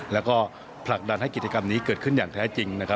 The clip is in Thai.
แล้วก็ผลักดันให้กิจกรรมนี้เกิดขึ้นอย่างแท้จริงนะครับ